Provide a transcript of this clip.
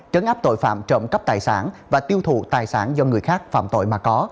trấn áp tội phạm trộm cắp tài sản và tiêu thụ tài sản do người khác phạm tội mà có